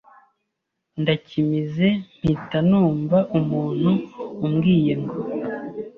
ndakimize mpita numva umuntu umbwiye ngo